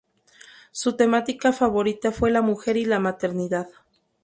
Su temática favorita fue la mujer y la maternidad.